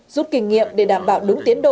rút kinh nghiệm để đảm bảo đúng tiến độ